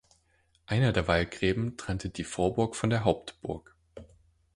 Einer der Wallgräben trennte die Vorburg von der Hauptburg.